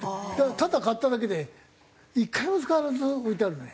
ただ買っただけで１回も使わず置いてあるね。